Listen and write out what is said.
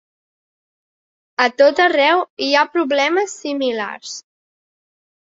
A tot arreu hi ha problemes similars.